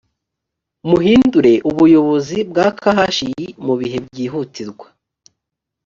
muhindure ubuyobozi bwa khi mu bihe byihutirwa